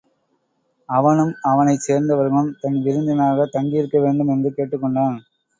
அவனும் அவனைச் சேர்ந்தவர்களும் தன் விருந்தினராகத் தங்கியிருக்க வேண்டும் என்றும் கேட்டுக் கொண்டான்.